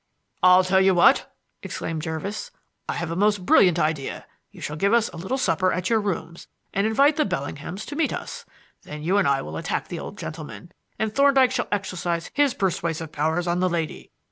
"I'll tell you what!" exclaimed Jervis. "I have a most brilliant idea. You shall give us a little supper at your rooms and invite the Bellinghams to meet us. Then you and I will attack the old gentleman, and Thorndyke shall exercise his persuasive powers on the lady.